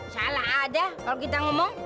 salah ada kalau kita ngomong